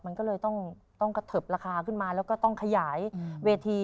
มันก็เลยต้องกระเทิบราคาขึ้นมาแล้วก็ต้องขยายเวที